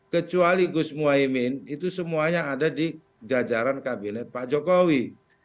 kecuali gus muhaymin itu semuanya ada di jajaran kabinet pak jokowi